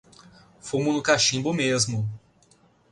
Fumo no cachimbo, mesmo!